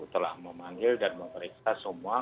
telah memanggil dan memeriksa semua